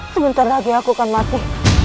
sebentar lagi aku kan mati